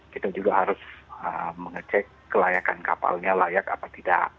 kita juga harus mengecek kelayakan kapalnya layak apa tidak